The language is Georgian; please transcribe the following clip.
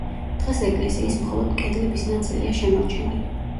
დღეს ეკლესიის მხოლოდ კედლების ნაწილია შემორჩენილი.